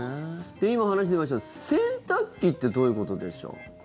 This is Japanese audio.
で、今、話に出ました洗濯機ってどういうことでしょう？